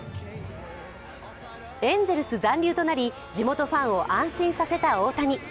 エンゼルス残留となり、地元ファンを安心させた大谷。